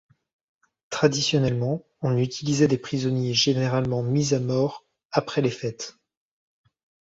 Traditionnellement, on utilisait des prisonniers généralement mis à mort après les fêtes.